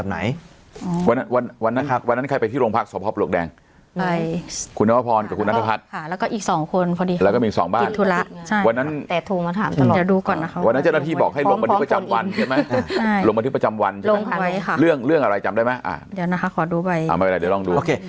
เดี๋ยวนะคะขอดูไปอ่าไม่เป็นไรเดี๋ยวลองดูโอเค